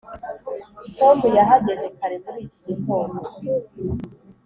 tom yahageze kare muri iki gitondo.